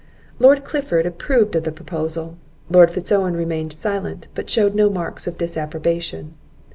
Lord Clifford approved of the proposal; Lord Fitz Owen remained silent, but shewed no marks of disapprobation.